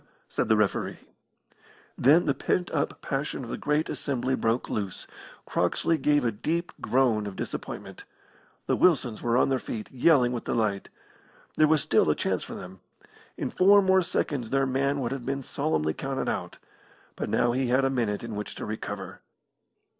said the referee. Then the pent up passion of the great assembly broke loose. Croxley gave a deep groan of disappointment. The Wilsons were on their feet, yelling with delight. There was still a chance for them. In four more seconds their man would have been solemnly counted out. But now he had a minute in which to recover.